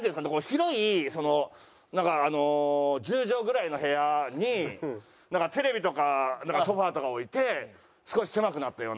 広いなんか１０畳ぐらいの部屋にテレビとかソファとか置いて少し狭くなったような。